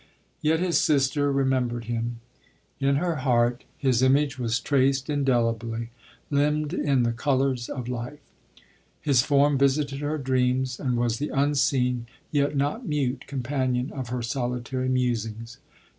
Yet his sister remembered him. In her heart b 5 10 LODORE. his image was traced indelibly — limned in the colours of life. His form visited her dreams, and was the unseen, yet not mute, companion of her solitary musings.